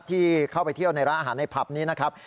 ที่เข้าไปเที่ยวในร้านอาหารในผับนี้นะครับ